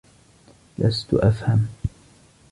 لست أفهم.